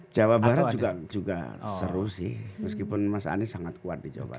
jawa barat juga seru sih meskipun mas anies sangat kuat di jawa barat